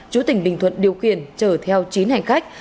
chú tỉnh bình thuận điều khiển chở theo chín hành khách